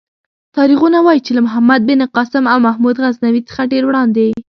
تاریخونه وايي چې له محمد بن قاسم او محمود غزنوي څخه ډېر وړاندې.